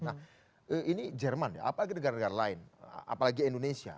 nah ini jerman ya apalagi negara negara lain apalagi indonesia